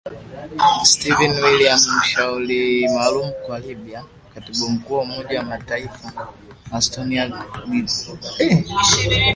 Stephanie Williams mshauri maalum kwa Libya wa katibu mkuu wa Umoja wa Mataifa Antonio Guterres